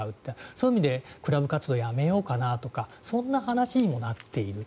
そういう意味でクラブ活動をやめようかなとかそんな話にもなっている。